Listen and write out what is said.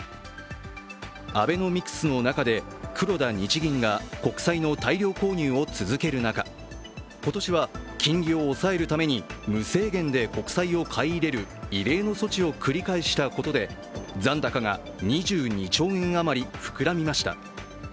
アベノミクスの中で黒田日銀が国債の大量購入を続ける中今年は金利を抑えるために無制限で国債を買い入れる異例の措置を繰り返したことで残高が２２兆円余り膨らみました。